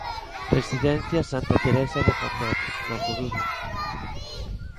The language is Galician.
Residencia Santa Teresa de Jornet, na Coruña.